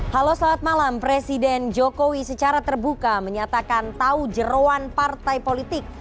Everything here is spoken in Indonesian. halo selamat malam presiden jokowi secara terbuka menyatakan tahu jeruan partai politik